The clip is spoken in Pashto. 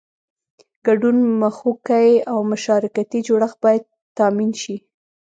ګډون مخوکی او مشارکتي جوړښت باید تامین شي.